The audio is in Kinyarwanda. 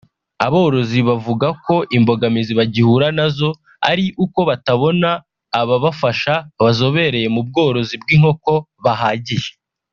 Aborozi bavuga ko imbogamizi bagihura na zo ari uko batabona ababafasha bazobereye mu bworozi bw’inkoko bahagije